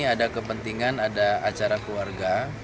ada kepentingan ada acara keluarga